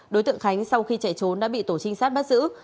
đối tượng khánh sau khi chạy trốn đã bị tổ trinh sát bắt giữ